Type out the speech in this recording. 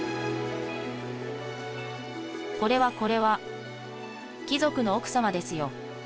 これはこれは貴族の奥様ですよ。